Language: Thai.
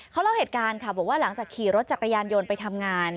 เขาเล่าเหตุการณ์ค่ะบอกว่าหลังจากขี่รถจักรยานยนต์ไปทำงาน